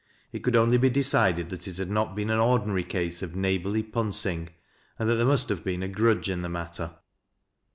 It could only be decided that it had not been an ordinary case ol neighborly " puusing," and that there must have been a " grudge " in the matter.